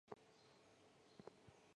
毛脉蒲桃为桃金娘科蒲桃属的植物。